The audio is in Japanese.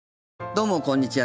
どうもこんにちは。